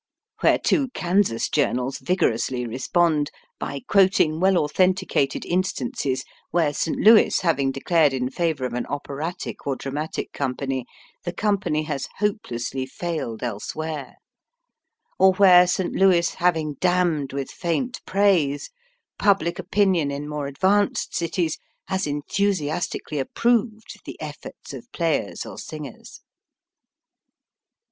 '* Whereto Kansas journals vigorously respond by quoting well authenticated instances where St. Louis having declared in favour of an ope ratic or dramatic company, the company has hopelessly failed elsewhere ; or where St. Louis having damned with faint praise, public opinion in more advanced cities has enthusiastically approved the efforts of players or singers.